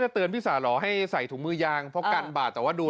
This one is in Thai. เตือนพี่สาหรอให้ใส่ถุงมือยางเพราะกันบาดแต่ว่าดู